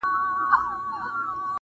چې د ارمان په دار تر عمره ځنګېدل وختونه